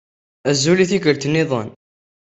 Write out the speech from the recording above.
Azul i tikkelt nniḍen.